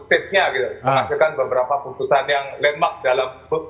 menghasilkan beberapa tuntutan yang lemak dalam